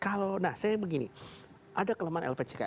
kalau nah saya begini ada kelemahan lpck